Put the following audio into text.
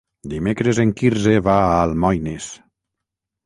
Dimecres en Quirze va a Almoines.